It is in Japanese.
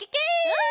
うん！